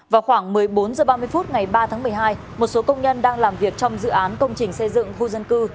vào khoảng một mươi bốn h ba mươi phút ngày ba tháng một mươi hai một số công nhân đang làm việc trong dự án công trình xây dựng khu dân cư